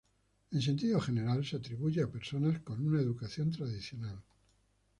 En sentido general, se atribuye a personas con una educación tradicional.